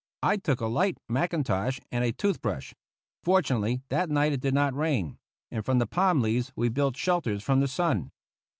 I took a light mackintosh and a tooth brush. Fortunately, that night it did not rain; and from the palm leaves we built shelters from the sun.